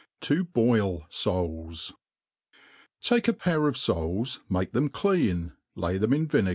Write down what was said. To boil Soals. TAKE a pair of foals, make them clean, lay them in vini?